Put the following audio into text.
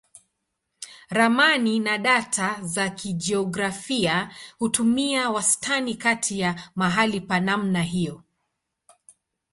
Ramani na data za kijiografia hutumia wastani kati ya mahali pa namna hiyo.